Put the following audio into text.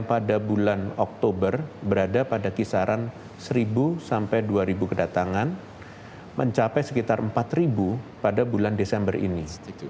tren kenaikan perjalanan dari bandara soekarno hatta ke bandara soekarno hatta jakarta yang pada bulan oktober berada pada kisaran seribu dua ribu kedatangan mencapai sekitar empat ribu pada bulan desember ini